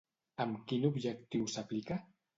Amb quin objectiu s'aplica?